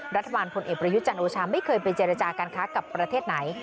รัฐบาลพลเอกประยุจันทร์โอชาไม่เคยไปเจรจาการค้ากับประเทศไหน